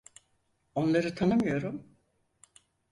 Onları tanımıyorum.